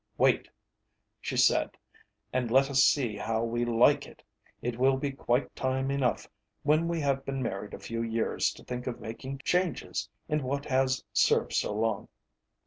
'Wait,' she said, 'and let us see how we like it. It will be quite time enough when we have been married a few years to think of making changes in what has served so long.'"